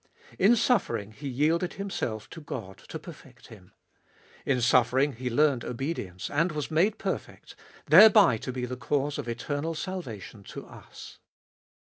In suffering He yielded Himself to God to perfect Him. In suffering He learned obedience, and was made perfect, thereby to be the cause of eternal salvation to us.